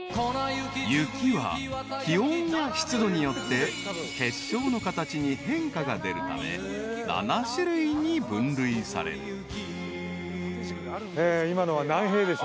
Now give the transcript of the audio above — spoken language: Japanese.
［雪は気温や湿度によって結晶の形に変化が出るため７種類に分類される］